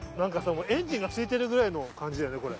もうエンジンが付いてるぐらいのじだよねこれ。